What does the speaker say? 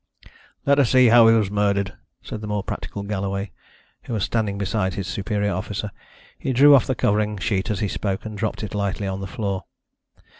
"Let us see how he was murdered," said the more practical Galloway, who was standing beside his superior officer. He drew off the covering sheet as he spoke, and dropped it lightly on the floor.